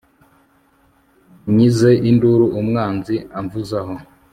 unyize induru umwanzi amvuzaho